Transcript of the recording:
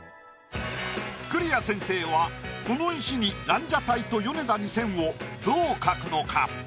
栗屋先生はこの石にランジャタイとヨネダ２０００をどう描くのか？